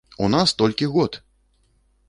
У нас толькі год!